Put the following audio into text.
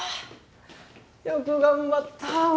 よく頑張った俺。